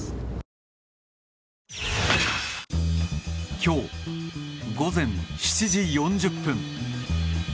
今日、午前７時４０分。